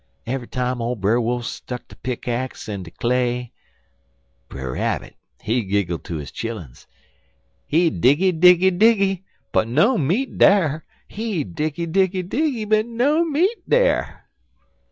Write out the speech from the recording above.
Eve'y time ole Brer Wolf stuck de pick axe in de clay, Brer Rabbit, he giggle ter his chilluns: "'He diggy, diggy, diggy, but no meat dar! He diggy, diggy, diggy, but no meat dar!'